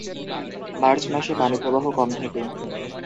March মাসে পানিপ্রবাহ কম থাকে।